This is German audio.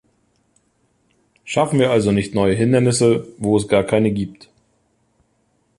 Schaffen wir also nicht neue Hindernisse, wo es gar keine gibt.